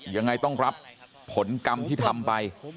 ยังไงต้องรับผลกรรมที่ทำไป